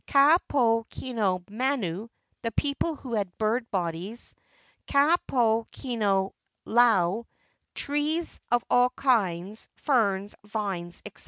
""" manu (the people who had bird bodies). """ laau (trees of all kinds, ferns, vines, etc.).